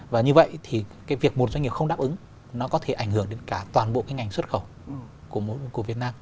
và như vậy thì cái việc một doanh nghiệp không đáp ứng nó có thể ảnh hưởng đến cả toàn bộ cái ngành xuất khẩu của việt nam